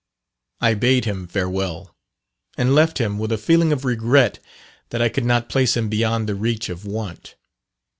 I bade him farewell, and left him with a feeling of regret that I could not place him beyond the reach of want.